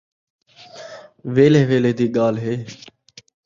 ویلھے ویلھے دی ڳالھ ہے